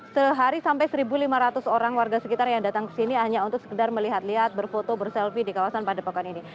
sehari sampai seribu lima ratus orang warga sekitar yang datang kesini hanya untuk sekedar melihat lihat berfoto berselfie di kawasan pada pokan ini